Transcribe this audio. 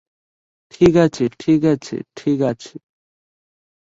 ঠিক আছে, ঠিক আছে, ঠিক আছে!